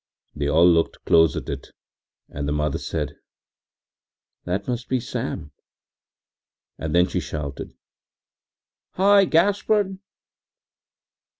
They all looked close at it and the mother said: “That must be Sam,” and then she shouted: “Hi, Gaspard!